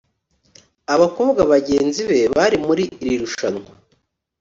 Abakobwa bagenzi be bari muri iri rushanwa